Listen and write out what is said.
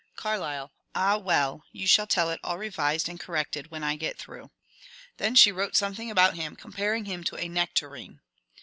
Carlyle. Ah well, you shall tell it all revised and cor rected when I get through. — Then she wrote something about him, comparing him to a nectarine.